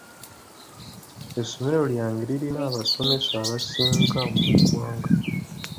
Essomero lyange lirina abasomesa abasinga mu ggwanga.